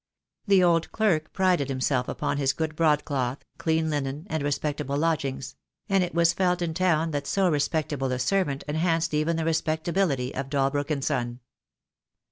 The old clerk prided himself upon his good broadcloth, clean linen, and respectable lodgings; and it was felt in the town that so respectable a servant enhanced even the respectability of Dalbrook & Son.